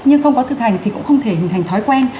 nhưng không có thực hành thì cũng không thể hình thành thói quen